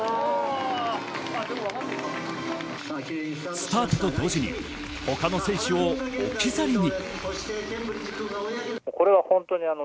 スタートと同時に他の選手を置き去りに。